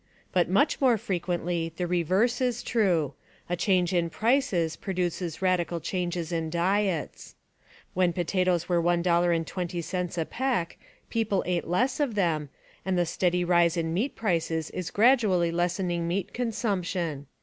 But much more frequently the reverse is true; a change in prices produces radical changes in diets. When potatoes were one dollar and twenty cents a peck, people ate less of them, and the steady rise in meat prices is gradually lessening meat consumption.